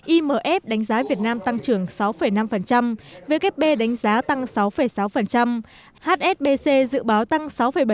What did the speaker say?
imf đánh giá việt nam tăng trưởng sáu năm vkp đánh giá tăng sáu sáu hsbc dự báo tăng sáu bảy